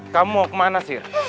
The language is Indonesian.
kamu mau kemana sir